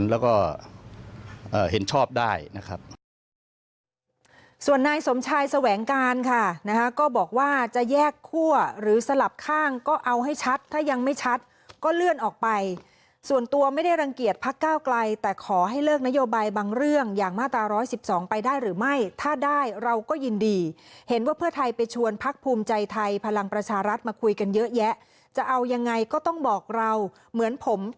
แล้วก็เห็นชอบได้นะครับ